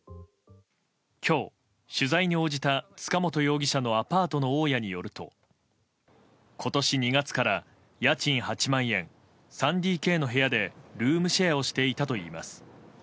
今日、取材に応じた塚本容疑者のアパートの大家によると今年２月から家賃８万円３ＤＫの部屋の部屋でルームシェアをしていたといいます。